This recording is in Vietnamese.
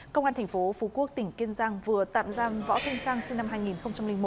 công an tp phú quốc tỉnh kiên giang vừa tạm giam võ kinh giang sinh năm hai nghìn một